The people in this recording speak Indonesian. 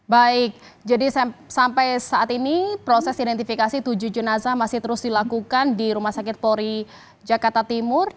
baik jadi sampai saat ini proses identifikasi tujuh jenazah masih terus dilakukan di rumah sakit polri jakarta timur